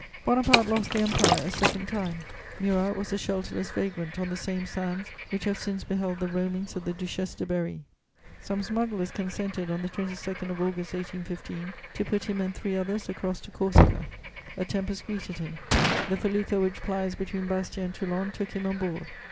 Bonaparte lost the Empire a second time; Murat was a shelterless vagrant on the same sands which have since beheld the roamings of the Duchesse de Berry. Some smugglers consented, on the 22nd of August 1815, to put him and three others across to Corsica. A tempest greeted him: the felucca which plies between Bastia and Toulon took him on board.